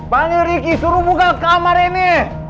panggil riki suruh buka kamar ini